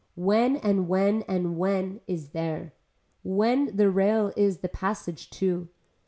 When and when and when is there. When the rail is the passage to.